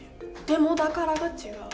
でも「だから」が違う。